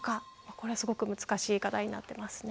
これはすごく難しい課題になってますね。